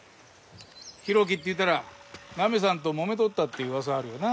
浩喜っていったらナミさんともめとったって噂あるよな。